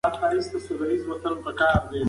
ټیکنالوژي د تعلیمي مدیریت فشارونه راکموي.